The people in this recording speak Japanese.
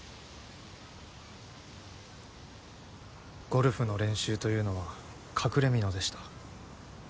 ゴルフの練習というのは隠れみのでした。